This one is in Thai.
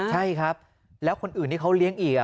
ใช่ครับแล้วคนอื่นที่เขาเลี้ยงอีก